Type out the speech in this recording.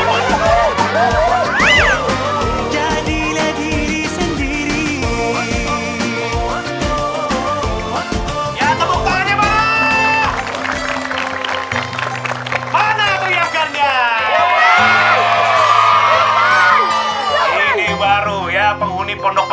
jadilah diri sendiri